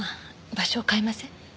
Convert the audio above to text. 場所を変えません？